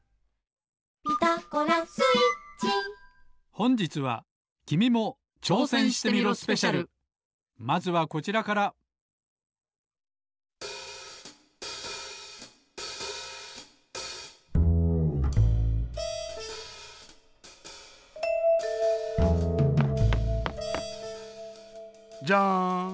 ほんじつはまずはこちらからジャン。